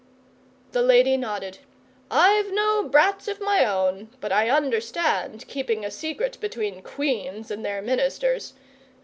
The lady nodded. 'I've no brats of my own, but I understand keeping a secret between Queens and their Ministers.